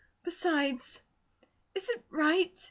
Besides, is it right?